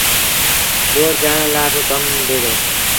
ٻوڙ چآڙڻ لآ با ڪم ڏي دو